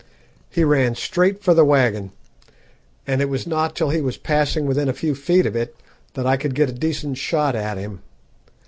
He ran straight for the waggon, and it was not till he was passing within a few feet of it that I could get a decent shot at him.